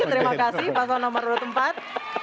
terima kasih pasal nomor empat